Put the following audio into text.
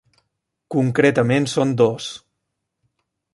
Concretament són dos.